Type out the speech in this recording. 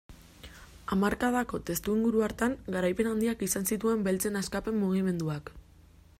Hamarkadako testuinguru hartan garaipen handiak izan zituen beltzen askapen mugimenduak.